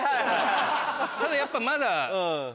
ただやっぱまだ。